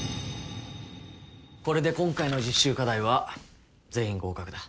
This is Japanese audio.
これで今回の実習課題は全員合格だ。